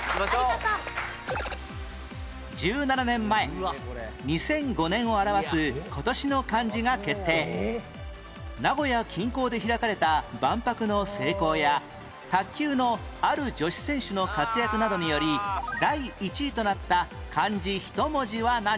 １７年前２００５年を表す名古屋近郊で開かれた万博の成功や卓球のある女子選手の活躍などにより第１位となった漢字１文字は何？